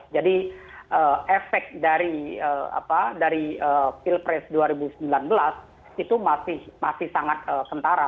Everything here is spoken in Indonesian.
jadi efek dari pilpres dua ribu sembilan belas itu masih sangat kentara